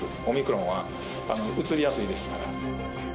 オミクロンはうつりやすいですから。